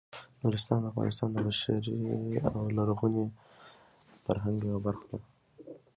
نورستان د افغانستان د بشري او لرغوني فرهنګ یوه برخه ده.